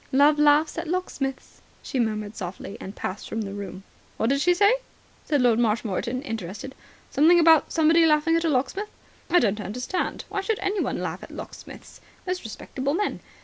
"Love laughs at locksmiths," she murmured softly, and passed from the room. "What did she say?" asked Lord Marshmoreton, interested. "Something about somebody laughing at a locksmith? I don't understand. Why should anyone laugh at locksmiths? Most respectable men.